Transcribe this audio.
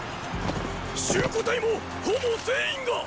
周虎隊もほぼ全員がっ！